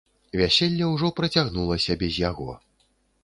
Вяселле ўжо працягнулася без яго.